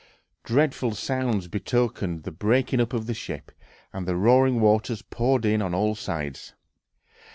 Dreadful sounds betokened the breaking up of the ship, and the roaring waters poured in on all sides.